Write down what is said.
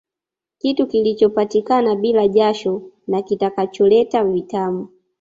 Kitu kilichopatikana bila jasho na kitakacholeta vitamu